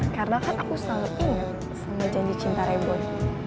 karena kan aku selalu ingat selama janji cinta rebon